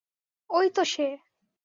ওই তো সে।